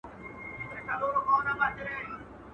چا یې نه سوای د قدرت سیالي کولای.